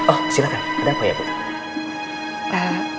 oh silakan ada apa ya dok